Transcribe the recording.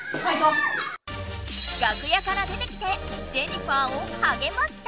「楽屋から出てきてジェニファーをはげました！」。